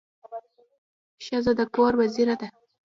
ښځه د کور وزیره ده.